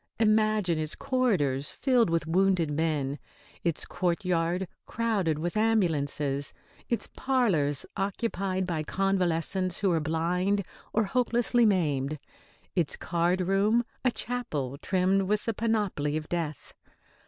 Imagine its corridors filled with wounded men, its courtyard crowded with ambulances, its parlours occupied by convalescents who are blind or hopelessly maimed, its card room a chapel trimmed with the panoply of death.